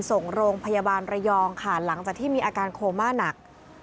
ส่งโรงพยาบาลระยองค่ะหลังจากที่มีอาการโคม่าหนัก